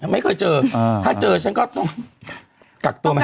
ไม่เคยเจอถ้าเจอฉันก็ต้องกักตัวไหม